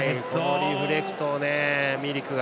ディフレクトをミリクが。